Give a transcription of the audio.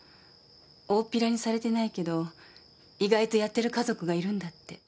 「大っぴらにされてないけど意外とやってる家族がいるんだって」